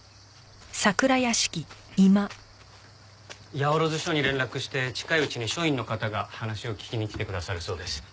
八百万署に連絡して近いうちに署員の方が話を聞きに来てくださるそうです。